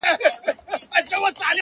يو په يو به حقيقت بيانومه٫